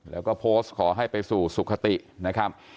แล้วก็โพสต์ขอให้ไปสู่สุขตินะครับ